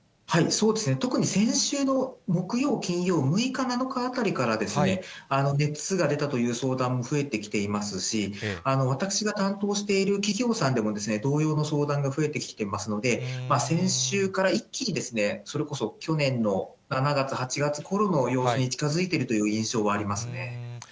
特に先週の木曜、金曜、６日、７日あたりから、熱が出たという相談も増えてきていますし、私が担当している企業さんでも、同様の相談が増えてきていますので、先週から一気にそれこそ去年の７月、８月ころの様子に近づいているという印象はありますね。